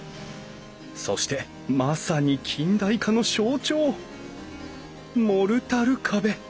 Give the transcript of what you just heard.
そしてまさに近代化の象徴モルタル壁！